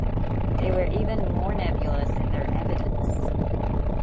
They were even more nebulous in their evidence.